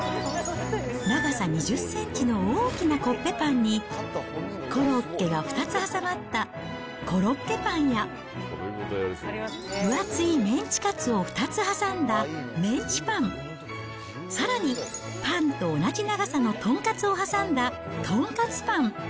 長さ２０センチの大きなコッペパンに、コロッケが２つ挟まったコロッケパンや、分厚いメンチカツを２つ挟んだメンチパン、さらに、パンと同じ長さのとんかつを挟んだ、とんかつパン。